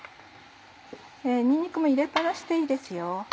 にんにくも入れっ放しでいいですよ。